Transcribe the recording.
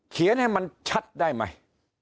เขียนให้มันชัดได้ไหม